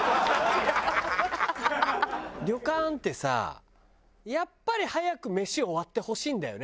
旅館ってさやっぱり早くメシ終わってほしいんだよね